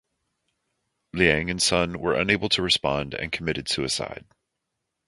Liang and Sun were unable to respond and committed suicide.